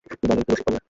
বলেন কী রসিকবাবু?